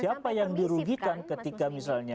siapa yang dirugikan ketika misalnya